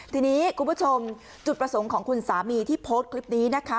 ทีนี้คุณผู้ชมจุดประสงค์ของคุณสามีที่โพสต์คลิปนี้นะคะ